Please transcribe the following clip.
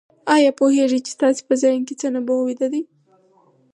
آيا پوهېږئ چې ستاسې په ذهن کې څه نبوغ ويده دی؟